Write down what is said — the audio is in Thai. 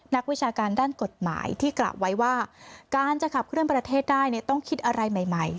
วิชาการด้านกฎหมายที่กล่าวไว้ว่าการจะขับเคลื่อนประเทศได้เนี่ยต้องคิดอะไรใหม่ใหม่